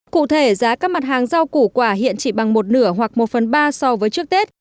cụ thể giá các mặt hàng rau củ quả hiện chỉ bằng một nửa hoặc một phần ba so với trước tết